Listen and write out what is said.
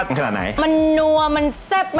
โอ้โฮ